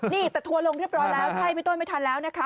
นี่แต่ทัวร์ลงเรียบร้อยแล้วใช่พี่ต้นไม่ทันแล้วนะคะ